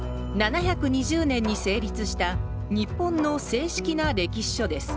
７２０年に成立した日本の正式な歴史書です。